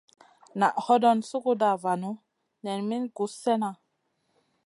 Naʼ hodon suguda vanu nen min guss slena.